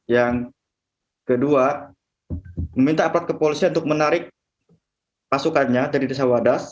yang kedua meminta aparat kepolisian untuk menarik pasukannya dari desa wadas